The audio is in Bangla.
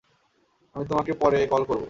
আমি তোমাকে পরে কল করবো।